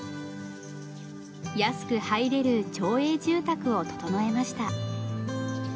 安く入れる町営住宅を整えました。